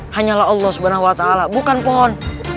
hanyalah allah subhanahu wa ta'ala bukan pohon